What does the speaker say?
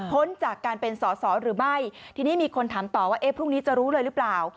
พ้นจากการเป็นสอสอหรือไม่ทีนี้มีคนถามต่อว่าเอ๊ะพรุ่งนี้จะรู้เลยหรือเปล่า